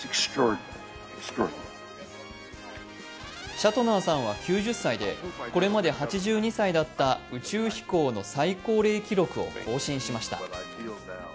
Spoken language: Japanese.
シャトナーさんは９０歳でこれまで８２歳だった宇宙飛行の最高齢記録を更新しました。